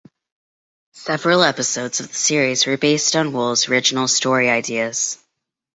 Several episodes of the series were based on Wohl's original story ideas.